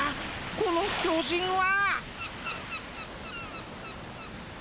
この巨人は？